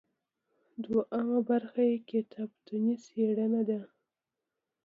دوهمه برخه یې کتابتوني څیړنه ده.